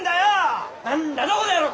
何だとこの野郎！